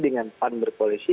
dengan pan berkoalisi